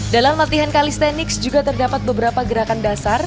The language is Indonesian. dalam latihan kalistanics juga terdapat beberapa gerakan dasar